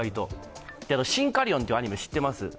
「シンカリオン」というアニメ、知ってますか。